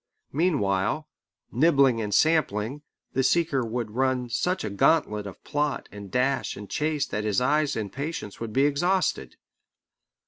Meanwhile, nibbling and sampling, the seeker would run such a gantlet of plot and dash and chase that his eyes and patience would be exhausted.